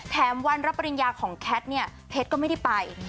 แถมวันรับปริญญาของแคทเนี่ยเพชรก็ไม่ได้ไป